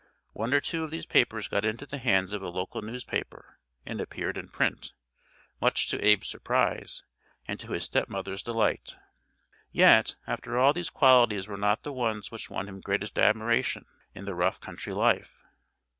One or two of these papers got into the hands of a local newspaper and appeared in print, much to Abe's surprise and to his stepmother's delight. Yet after all these qualities were not the ones which won him greatest admiration in the rough country life.